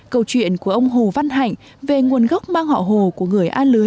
câu chuyện của ông hồ văn hạnh về nguồn gốc mang họ hồ của người a lưới